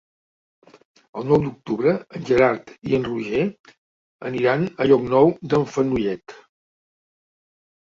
El nou d'octubre en Gerard i en Roger aniran a Llocnou d'en Fenollet.